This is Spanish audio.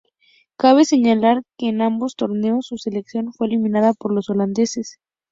Cabe señalar que en ambos torneos, su selección fue eliminada por los holandeses.